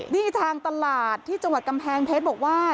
นี่ทางตลาดที่จังหวัดกำแพงเพชรบอกว่า